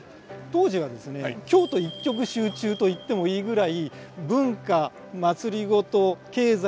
当時はですね京都一極集中と言ってもいいぐらい文化まつりごと経済